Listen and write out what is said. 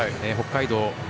北海道